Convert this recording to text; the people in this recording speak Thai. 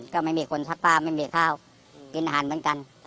ก็ไม่มีคนซักผ้าไม่มีข้าวกินอาหารเหมือนกัน